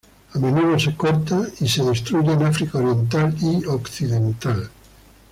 A menudo se corta y se destruye en África oriental y occidental.